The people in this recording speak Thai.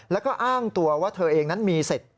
แล้วก็อ้างตัวว่าเธอเองนั้นมีสิทธิ์